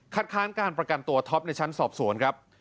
ค้านการประกันตัวท็อปในชั้นสอบสวนครับ